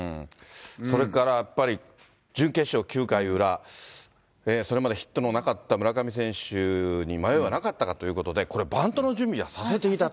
それから、やっぱり準決勝９回裏、それまでヒットのなかった村上選手に、迷いはなかったかということで、これ、バントの準備はさせていたと。